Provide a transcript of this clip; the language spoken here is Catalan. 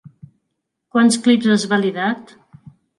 Quants clips has validat?